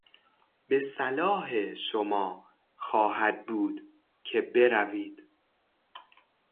به صلاح شما خواهد بود که بروید.